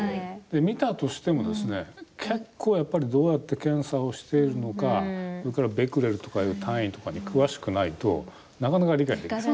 見たとしても結構やっぱりどうやって検査をしているのかそれからベクレルとかいう単位とかに詳しくないとなかなか理解できない。